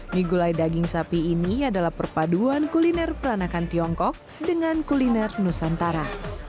mie gulai daging sapi ini adalah perpaduan kuliner peranakan tiongkok dengan kuliner nusantara